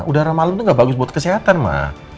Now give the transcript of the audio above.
udara malem tuh gak bagus buat kesehatan ma